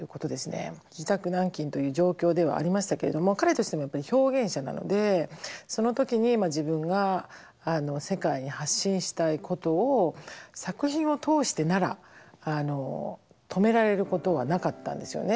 自宅軟禁という状況ではありましたけれども彼としてもやっぱり表現者なのでその時に自分が世界に発信したいことを作品を通してなら止められることはなかったんですよね。